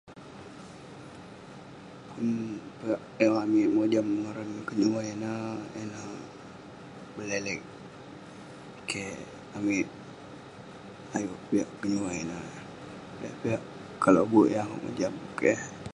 um Yeng amik mojam ngaran kenyuai ineh. Ineh bleleg. Keh amik ayuk piak kenyuai ineh. Kalau be'ek, yeng akouk mojam. Keh.